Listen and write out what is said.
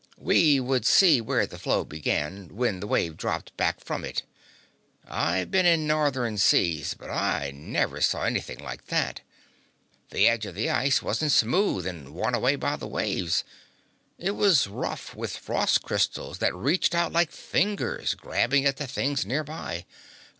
We would see where the floe began, when the waves dropped back from it. I've been in Northern seas, but I never saw anything like that. The edge of the ice wasn't smooth and worn away by the waves. It was rough with frost crystals that reached out like fingers grabbing at the things near by.